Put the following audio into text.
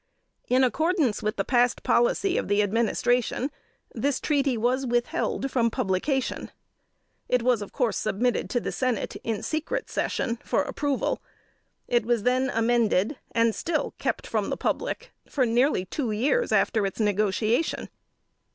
In accordance with the past policy of the Administration, this treaty was withheld from publication. It was of course submitted to the Senate in secret session for approval. It was then amended, and still kept from the public for nearly two years after its negotiation.